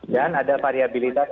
dan ada variabilitas